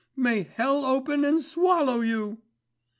May hell open and swallow you."